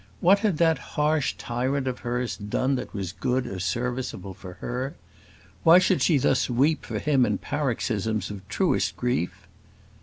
What had that harsh tyrant of hers done that was good or serviceable for her? Why should she thus weep for him in paroxysms of truest grief?